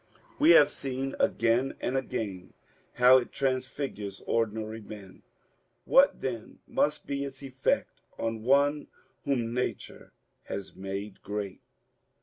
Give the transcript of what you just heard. We have seen again and again bow it transfigures ordinary men. What then must be its effect on one whom Nature has made great.